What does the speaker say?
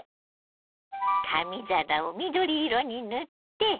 紙皿を緑色に塗って。